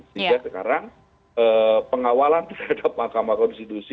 sehingga sekarang pengawalan terhadap mahkamah konstitusi